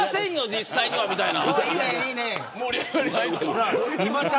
実際には、みたいな。